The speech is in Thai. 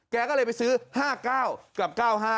แกก็เลยไปซื้อ๕๙กับ๙๕